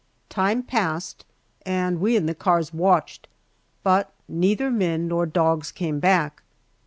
Time passed, and we in the cars watched, but neither men nor dogs came back.